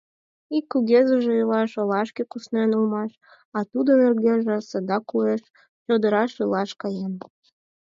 Ик кугезыже илаш олашке куснен улмаш, а тудын эргыже садак уэш чодыраш илаш каен.